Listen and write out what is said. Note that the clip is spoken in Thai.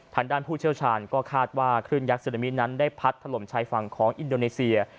ผู้เชี่ยวชาญก็คาดว่าคลื่นยักษ์ซึนามินั้นได้พัดถล่มชายฝั่งของอินโดนีเซีย